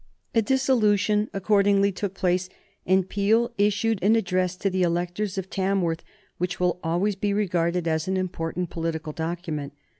A dissolution accordingly took place, and Peel issued an address to the electors of Tamworth, which will always be regarded as an important political document.